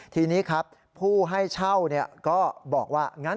ทีนี้ครับผู้ให้เช่าก็บอกว่างั้น